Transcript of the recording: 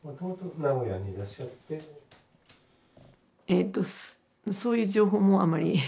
えとそういう情報もあまり。